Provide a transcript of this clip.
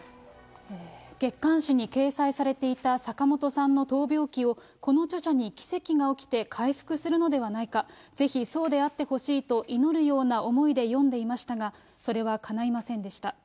月刊誌に掲載されていた坂本さんの闘病記をこの著者に奇跡が起きて回復するのではないか、ぜひそうであってほしいと祈るような思いで読んでいましたが、それはかないませんでした。